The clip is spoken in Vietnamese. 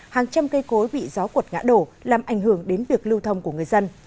hàng trăm cây cối bị gió cuột ngã đổ làm ảnh hưởng đến việc lưu thông của người dân